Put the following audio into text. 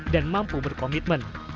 dan mampu berkomitmen